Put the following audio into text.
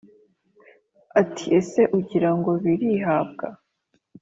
ati: “ese ugira ngo birihabwa?